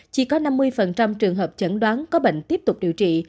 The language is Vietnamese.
chỉ có năm mươi trường hợp chẩn đoán có bệnh tiếp tục điều trị